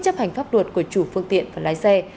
chấp hành pháp luật của chủ phương tiện và lái xe